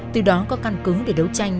từ đó có căn cứ để đấu tranh